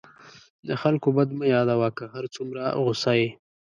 د خلکو بد مه یادوه، که هر څومره غصه یې.